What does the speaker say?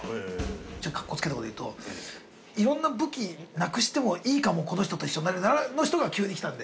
ちょっと格好つけたこと言うといろんな武器なくしてもいいかもこの人と一緒になれるならの人が急に来たんで。